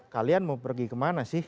kalian mau pergi ke mana sih